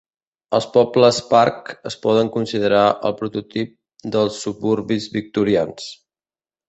Els pobles parc es poden considerar el prototip dels suburbis victorians.